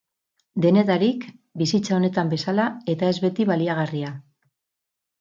Denetarik, bizitza honetan bezala, eta ez beti baliagarria.